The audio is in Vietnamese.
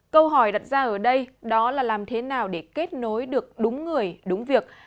câu hỏi đặt ra ở đây đó là làm thế nào để kết nối được đúng người đúng việc